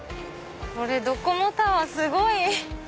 これドコモタワーすごい！